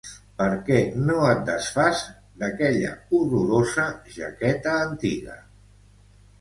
Per què no et desfàs d'aquella horrorosa jaqueta antiga?